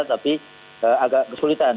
tapi agak kesulitan